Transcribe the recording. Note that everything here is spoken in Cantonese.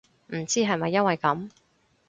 唔知係咪因為噉